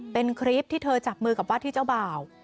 เป็นคลิปที่เธอจับมือกับว่าที่เจ้าบ่าว